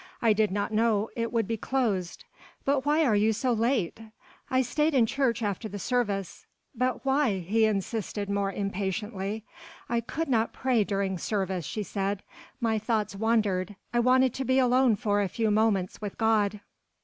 I did not know it would be closed." "But why are you so late?" "I stayed in church after the service." "But why?" he insisted more impatiently. "I could not pray during service," she said. "My thoughts wandered. I wanted to be alone for a few moments with God."